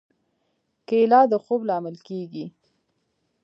کېله د خوب لامل کېږي.